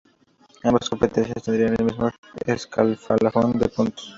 Ambas competencias, tendrían el mismo escalafón de puntos.